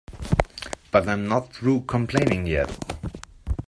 But I'm not through complaining yet.